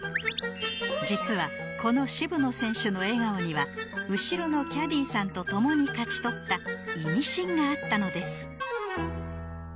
実は、この渋野選手の笑顔には後ろのキャディーさんとともに勝ち取ったイミシンがあったのです。